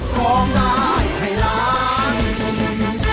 ร้องได้ให้ล้าน